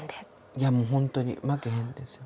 いやもう本当に「負けへんで」ですよ。